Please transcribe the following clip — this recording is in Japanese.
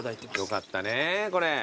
よかったねこれ。